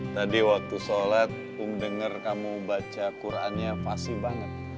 tadi waktu sholat um dengar kamu baca qurannya fasi banget